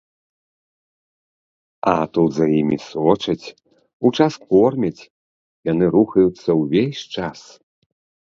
А тут за імі сочаць, у час кормяць, яны рухаюцца ўвесь час.